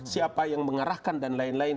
siapa yang mengarahkan dan lain lain